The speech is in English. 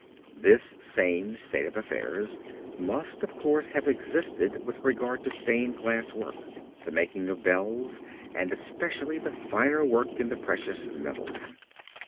This same state of affairs must of course have existed with regard to stained glass work, the making of bells and especially the finer work in the precious metals.